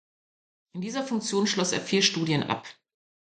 In dieser Funktion schloss er vier Studien ab.